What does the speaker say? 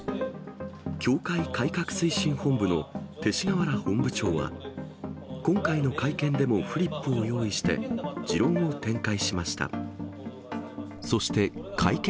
教会改革推進本部の勅使河原本部長は、今回の会見でもフリップを用意して、持論を展開しました。